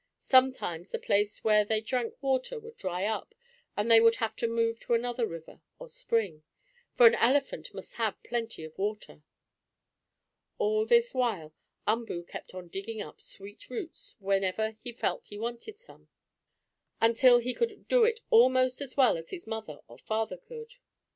Sometimes the place where they drank water would dry up, and they would have to move to another river or spring. For an elephant must have plenty of water. All this while Umboo kept on digging up sweet roots when ever he felt he wanted some, until he could do it almost as well as his mother or father could.